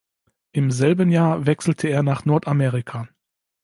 Im selben Jahr wechselte er nach Nordamerika.